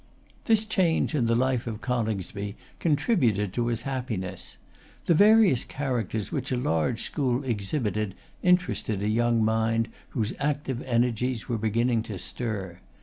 This change in the life of Coningsby contributed to his happiness. The various characters which a large school exhibited interested a young mind whose active energies were beginning to stir.